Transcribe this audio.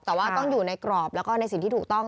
แต่ว่าต้องอยู่ในกรอบแล้วก็ในสิ่งที่ถูกต้อง